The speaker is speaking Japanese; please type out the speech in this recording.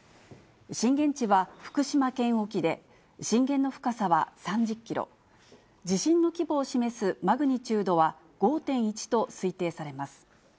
震源地は福島県沖で、震源の深さは３０キロ、地震の規模を示すマグニチュードは５．１と推定されます。